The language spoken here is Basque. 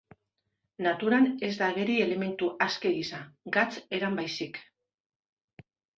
Naturan ez da ageri elementu aske gisa, gatz eran baizik.